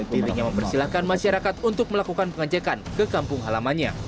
dirinya mempersilahkan masyarakat untuk melakukan pengecekan ke kampung halamannya